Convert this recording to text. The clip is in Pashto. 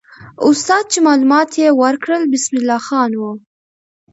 استاد چې معلومات یې ورکړل، بسم الله خان وو.